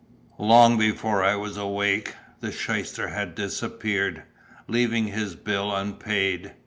Long before I was awake, the shyster had disappeared, leaving his bill unpaid.